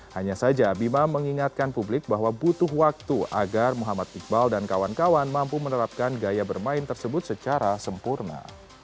hanya saja bima mengingatkan publik bahwa butuh waktu agar muhammad iqbal dan kawan kawan mampu menerapkan gaya bermain tersebut secara sempurna